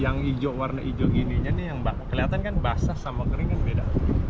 yang warna hijau ini kelihatan kan basah sama kering kan beda